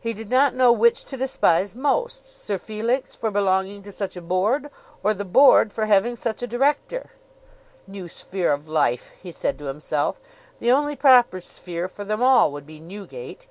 He did not know which to despise most, Sir Felix for belonging to such a Board, or the Board for having such a director. "New sphere of life!" he said to himself. "The only proper sphere for them all would be Newgate!"